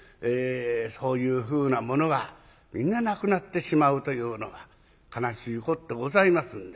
そういうふうなものはみんななくなってしまうというのは悲しいこってございますんで。